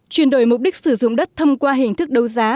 chuyển đổi mục đích sử dụng đất thông qua hình thức đấu giá